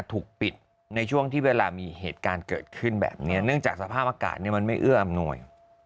ถูกปิดในช่วงที่เวลามีเหตุการณ์เกิดขึ้นแบบนี้เนื่องจากสภาพอากาศมันไม่เอื้ออำนวย